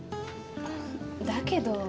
だけど。